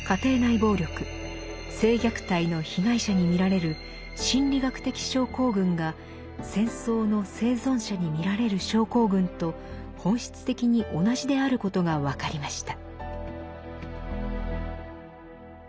暴力性虐待の被害者に見られる心理学的症候群が戦争の生存者に見られる症候群と本質的に同じであることが分かりました。